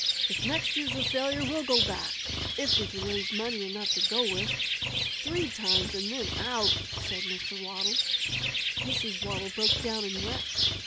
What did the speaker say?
If next year's a failure, we'll go back if we can raise money enough to go with. Three times and then out!" said Mr. Waddle. Mrs. Waddle broke down and wept.